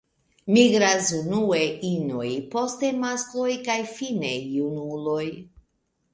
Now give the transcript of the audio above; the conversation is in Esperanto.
Migras unue inoj, poste maskloj kaj fine junuloj.